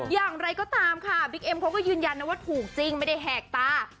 อย่างไรก็ตามค่ะบิ๊กเอ็มเขาก็ยืนยันนะว่าถูกจริงไม่ได้แหกตา